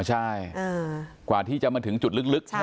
ใช่กว่าที่จะมาถึงจุดลึกใช่ไหม